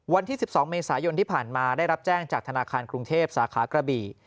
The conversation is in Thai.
วันที่๑๒เมษายนที่ผ่านมาได้รับแจ้งจากธนาคารกรุงเทพสาขากระบี่